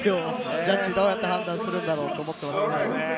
ジャッジ、どうやって判断するんだろうと思ってます。